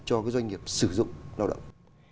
cho cái doanh nghiệp sử dụng lao động